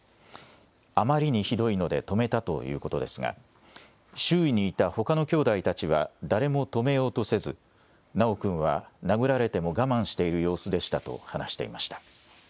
あまりにひどいので止めたということですが周囲にいたほかのきょうだいたちは誰も止めようとせず修君は殴られても我慢している様子でしたと話していました。